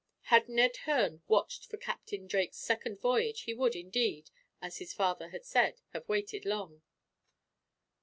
Had Ned Hearne watched for Captain Drake's second voyage, he would, indeed, as his father had said, have waited long.